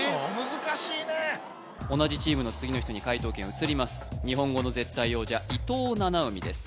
・難しいね同じチームの次の人に解答権移ります日本語の絶対王者伊藤七海です